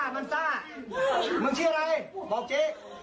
มึงชื่อไรบอกเจ๊